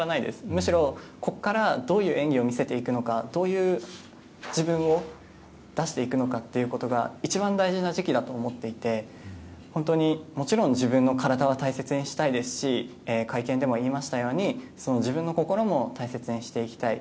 むしろ、ここからどういう演技を見せていくのかどういう自分を出していくのかということが一番大事な時期だと思っていて本当に、もちろん自分の体は大事にしたいですし会見でも言いましたように自分の心も大切にしていきたい。